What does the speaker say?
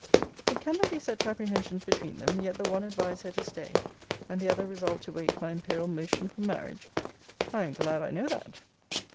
But can there be such apprehensions between them, yet the one advise her to stay, and the other resolve to wait my imperial motion for marriage? I am glad I know that.